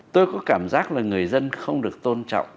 tôi có cảm giác là người dân không được tôn trọng